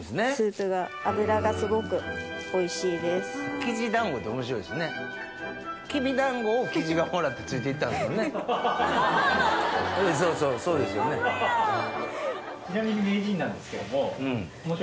ちなみに名人なんですけども。